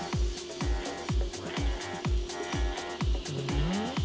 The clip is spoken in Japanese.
うん？